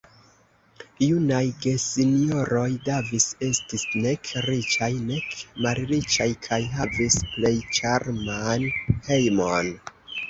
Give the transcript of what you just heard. Junaj gesinjoroj Davis estis nek riĉaj, nek malriĉaj, kaj havis plej ĉarman hejmon.